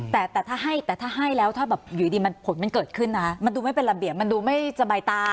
แต่ถ้าให้แล้วถ้าอยู่ดีเหมือนผลมันเกิดขึ้นอะมันดูไม่เป็นระเบียบมันดูไม่สบายตา